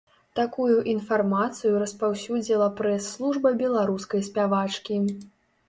Такую інфармацыю распаўсюдзіла прэс-служба беларускай спявачкі.